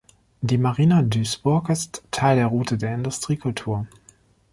Die Marina Duisburg ist Teil der Route der Industriekultur.